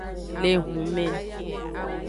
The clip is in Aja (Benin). Le ehunme.